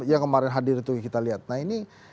yang kemarin hadir itu kita lihat nah ini